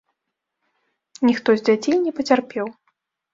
Ніхто з дзяцей не пацярпеў.